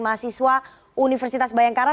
mahasiswa universitas bayangkara